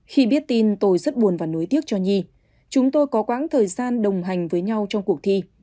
khi biết tin tôi rất buồn và nối tiếc cho nhi chúng tôi có quãng thời gian đồng hành với nhau trong cuộc thi